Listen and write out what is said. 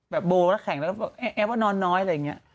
โบแล้วแข่งแล้วก็แอปว่านอนน้อยอะไรอย่างนี้